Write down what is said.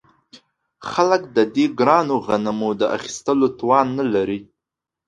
خلک د دې ګرانو غنمو د اخیستلو توان نلري